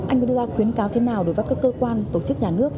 anh vừa đưa ra khuyến cáo thế nào đối với các cơ quan tổ chức nhà nước